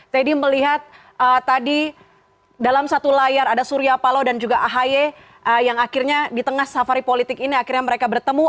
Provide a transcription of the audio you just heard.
teddy melihat tadi dalam satu layar ada surya palo dan juga ahy yang akhirnya di tengah safari politik ini akhirnya mereka bertemu